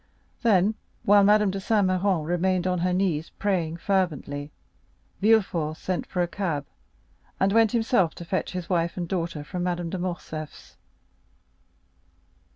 Then, while Madame de Saint Méran remained on her knees, praying fervently, Villefort sent for a cab, and went himself to fetch his wife and daughter from Madame de Morcerf's.